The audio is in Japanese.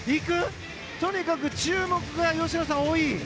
とにかく注目が吉野さん、多い！